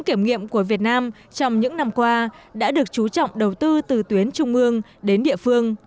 kiểm nghiệm của việt nam trong những năm qua đã được chú trọng đầu tư từ tuyến trung ương đến địa phương